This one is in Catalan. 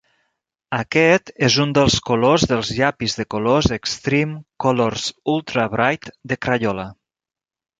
Aquest és un dels colors dels llapis de colors "eXtreme colors ultra-bright" de Crayola.